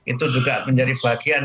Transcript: itu juga menjadi bagian